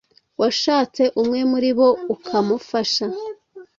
washatse umwe muri bo ukamufasha